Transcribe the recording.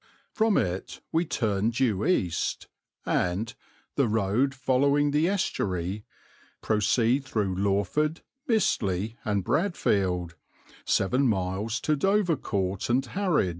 From it we turn due east, and, the road following the estuary, proceed through Lawford, Mistley, and Bradfield, seven miles to Dovercourt and Harwich.